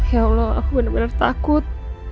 ya allah aku benar benar takut